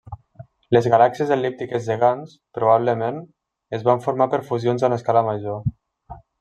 Les galàxies el·líptiques gegants, probablement, es van formar per fusions a una escala major.